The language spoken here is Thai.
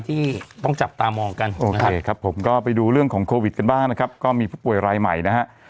ที่ต้องจับตามองกันครับผมก็ไปดูเรื่องของโควิดเปล่านะครับก็มีพุธป่วยรายใหม่ได้ฮะ